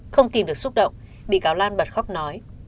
không tìm được xúc động bị cáo lan bật khóc nói